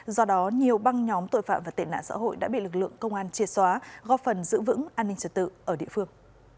do đó nhiều băng nhóm tội phạm và tệ nạn xã hội đã bị lực lượng công an chia xóa góp phần giữ vững an ninh trật tự ở địa phương